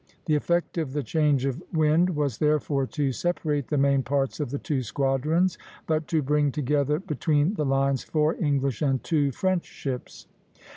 The effect of the change of wind was therefore to separate the main parts of the two squadrons, but to bring together between the lines four English and two French ships.